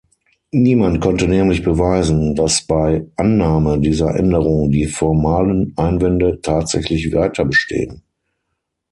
Niemand konnte nämlich beweisen, dass bei Annahme dieser Änderung die formalen Einwände tatsächlich weiterbestehen.